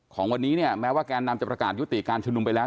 ของวันนี้เนี่ยแม้ว่าแกนนำจะประกาศยุติการชุมนุมไปแล้ว